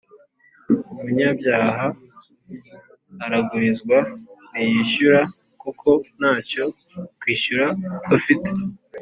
Umunyabyaha aragurizwa ntiyishyure kuko ntacyo kwishyura afite